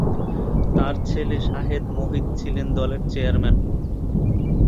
তার ছেলে শাহেদ মোহিত ছিলেন দলের চেয়ারম্যান।